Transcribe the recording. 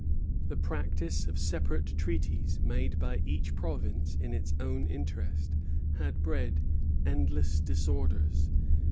The practice of separate treaties, made by each province in its own interest, had bred endless disorders.